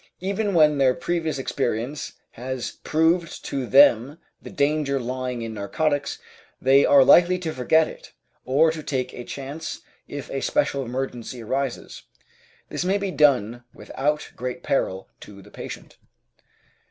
Even when their previous experience has proved to them the danger lying in narcotics, they are likely to forget it, or to take a chance if a special emergency arises. This may be done without great peril to the patient.